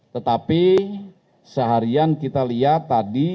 tetapi seharian kita lihat tadi